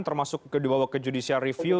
termasuk dibawa ke judicial review